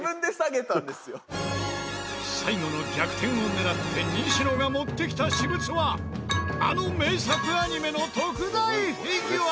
最後の逆転を狙って西野が持ってきた私物はあの名作アニメの特大フィギュア。